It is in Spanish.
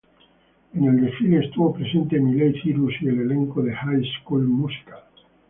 En el desfile estuvo presente Miley Cyrus y el elenco de "High School Musical".